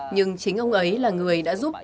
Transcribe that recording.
nhưng chính ông ấy là người đã giúp chúng tôi